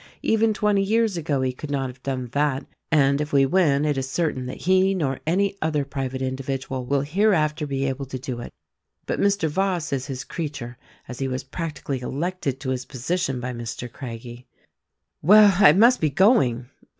Even twenty years ago he could not have done that ; and, if we win, it is certain that he nor any other private individual will hereafter be able to do it. But Mr. Voss is his creature — as he was practically elected to his position by Mr. Craggie. Well, I must be going!"